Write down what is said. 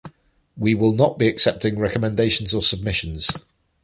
We will not be accepting recommendations or submissions.